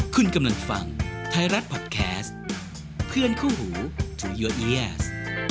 คุณกำลังฟังไทยรัฐพอดแคสต์เพื่อนเข้าหูทูยัวเอเอเอเอส